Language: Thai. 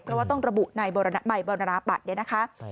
เพราะว่าต้องระบุใบบรรณาบัตร